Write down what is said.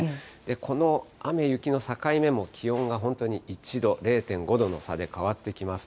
この雨、雪の境目も、気温が本当に１度、０．５度の差で変わってきます。